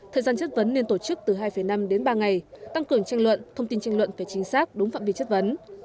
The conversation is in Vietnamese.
thời gian chất vấn nên tổ chức từ hai năm đến ba ngày tăng cường tranh luận thông tin tranh luận về chính xác đúng phạm vi chất vấn